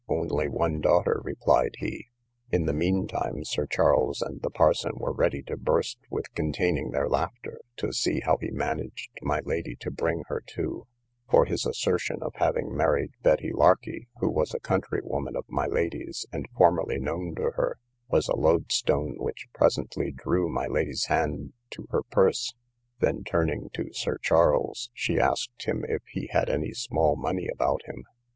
Only one daughter, replied he. In the mean time Sir Charles and the parson were ready to burst with containing their laughter, to see how he managed my lady to bring her to; for his assertion of having married Betty Larkey, who was a country woman of my lady's, and formerly known to her, was a loadstone which presently drew my lady's hand to her purse; then turning to Sir Charles, she asked him if he had any small money about him?